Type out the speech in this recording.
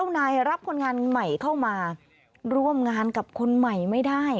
นายรับคนงานใหม่เข้ามาร่วมงานกับคนใหม่ไม่ได้